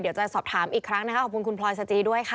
เดี๋ยวจะสอบถามอีกครั้งนะคะขอบคุณคุณพลอยสจีด้วยค่ะ